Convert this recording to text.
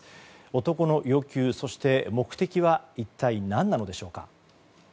男の要求、そして目的は一体、何なのでしょうか。